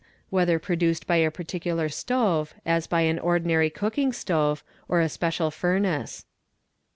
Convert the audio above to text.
whether produced by a particular stove, as by an ordinary cooking stove, or a special furnace.